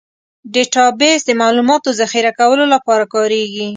ډیټابیس د معلوماتو ذخیره کولو لپاره کارېږي.